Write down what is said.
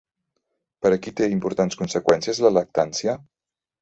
Per a qui té importants conseqüències la lactància?